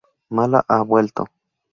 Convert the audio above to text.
Mala ha vuelto.